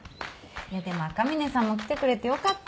いやでも赤嶺さんも来てくれてよかった。